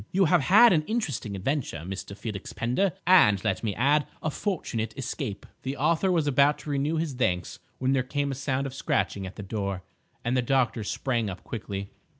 You have had an interesting adventure, Mr. Felix Pender, and, let me add, a fortunate escape." The author was about to renew his thanks when there came a sound of scratching at the door, and the doctor sprang up quickly.